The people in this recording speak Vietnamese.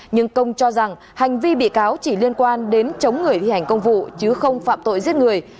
nhưng công cho rằng hành vi bị cáo chỉ liên quan đến chống người thi hành công vụ chứ không phạm tội giết người